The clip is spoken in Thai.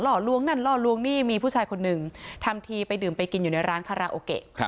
ล้วงนั่นล่อลวงนี่มีผู้ชายคนหนึ่งทำทีไปดื่มไปกินอยู่ในร้านคาราโอเกะ